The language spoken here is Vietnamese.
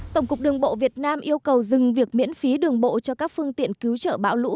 tổng cục đường bộ việt nam yêu cầu dừng việc miễn phí đường bộ cho các phương tiện cứu trợ bão lũ